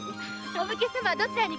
お武家様はどちらまで？